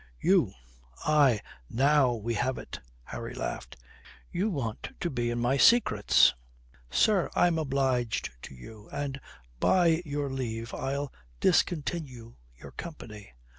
You " "Aye, now we have it!" Harry laughed. "You want to be in my secrets. Sir, I'm obliged to you, and by your leave I'll discontinue your company."